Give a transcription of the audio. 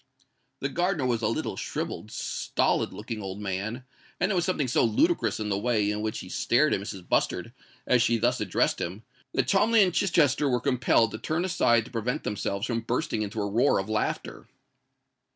The gardener was a little, shrivelled, stolid looking old man; and there was something so ludicrous in the way in which he stared at Mrs. Bustard as she thus addressed him, that Cholmondeley and Chichester were compelled to turn aside to prevent themselves from bursting into a roar of laughter.